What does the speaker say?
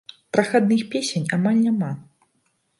Прахадных песень амаль няма.